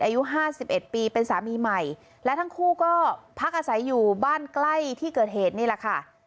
อายุห้าสิบเอ็ดปีเป็นสามีใหม่และทั้งคู่ก็พักอาศัยอยู่บ้านใกล้ที่เกิดเหตุนี่แหละค่ะ